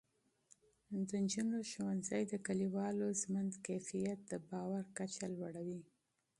د نجونو ښوونځی د کلیوالو ژوند کیفیت او د باور کچه لوړوي.